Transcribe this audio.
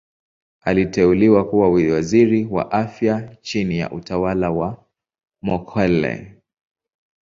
Aliteuliwa kuwa Waziri wa Afya chini ya utawala wa Mokhehle.